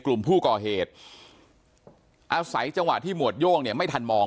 กลุ่มผู้ก่อเหตุอาศัยจังหวะที่หมวดโย่งเนี่ยไม่ทันมอง